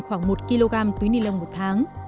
khoảng một kg túi ni lông một tháng